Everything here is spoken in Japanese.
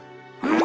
え。